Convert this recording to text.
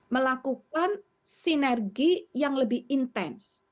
melakukan sinergi yang lebih intens